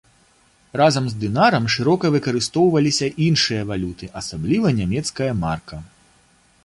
Разам з дынарам шырока выкарыстоўваліся іншыя валюты, асабліва нямецкая марка.